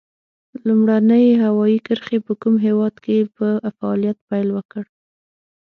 لومړنۍ هوایي کرښې په کوم هېواد کې په فعالیت پیل وکړ؟